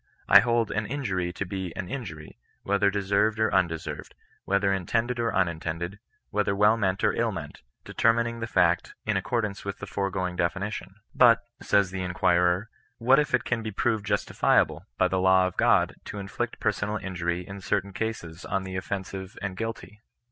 I hold an injury to be an inmry^ whether deserved or undeserved, whether intended or unintended, whether well meant or ill meant, determining the fact in accord ance with the foregoing definition. But, says the in quirer —" what if it can be proved justifiable, by the law of God, to inflict personal injury in certain cases on the offensive and guilty